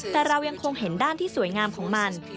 แต่เรายังคงเห็นด้านที่สวยงามของมัน